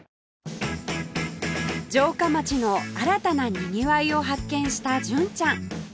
城下町の新たなにぎわいを発見した純ちゃん